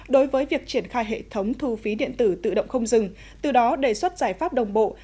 đối với việc triển khai hệ thống thu phí điện tử tự động không dừng từ đó đề xuất giải pháp đồng bộ